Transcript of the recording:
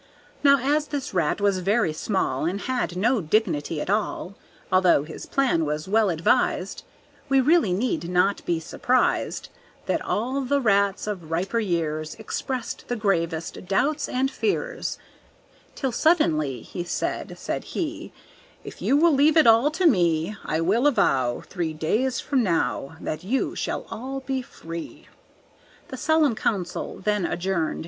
Now as this rat was very small, And had no dignity at all, Although his plan was well advised, We really need not be surprised That all the rats of riper years Expressed the gravest doubts and fears; Till suddenly He said, said he, "If you will leave it all to me, I will avow Three days from now That you shall all be free." The solemn council then adjourned.